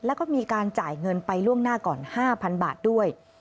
แล้วก็มีการจ่ายเงินไปล่วงหน้าก่อน๕๐๐๐บาทด้วย